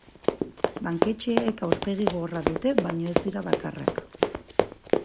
Banketxeek aurpegi gogorra dute baina ez dira bakarrak.